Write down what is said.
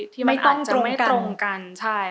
ที่มันอาจจะไม่ตรงกัน